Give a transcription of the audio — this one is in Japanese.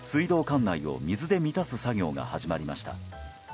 管内を水で満たす作業が始まりました。